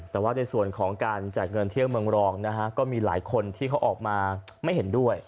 แต่ว่าในส่วนของการแจกเงินเที่ยวเมืองรองนะฮะก็มีหลายคนที่เขาออกมาไม่เห็นด้วย